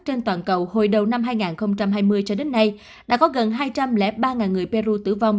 trên toàn cầu hồi đầu năm hai nghìn hai mươi cho đến nay đã có gần hai trăm linh ba người peru tử vong